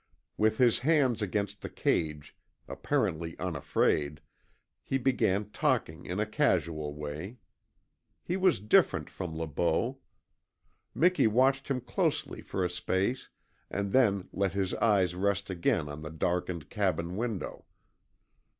With his hands against the cage, apparently unafraid, he began talking in a casual way. He was different from Le Beau. Miki watched him closely for a space and then let his eyes rest again on the darkened cabin window.